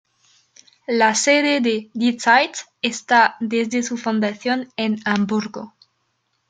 La sede de "Die Zeit" está desde su fundación en Hamburgo.